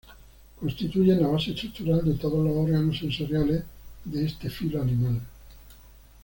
Constituyen la base estructural de todos los órganos sensoriales de este filo animal.